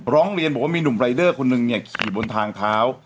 ร้องเรียนบอกว่ามีหนุ่มรายเดอร์คนนึงเนี่ยขี่บนทางเท้า